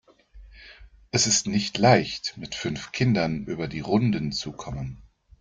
Es ist nicht leicht, mit fünf Kindern über die Runden zu kommen.